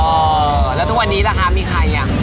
แล้วทุกวันนี้ล่ะคะมีใครอ่ะ